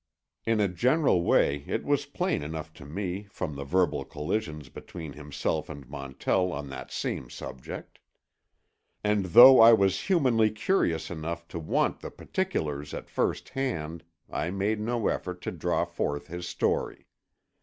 In a general way it was plain enough to me, from the verbal collisions between himself and Montell on that same subject. And though I was humanly curious enough to want the particulars at first hand, I made no effort to draw forth his story.